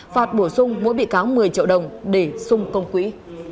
phạt bổ sung mỗi bị cáo một mươi triệu đồng để xung công quỹ